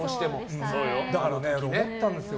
だから、思ったんですよ。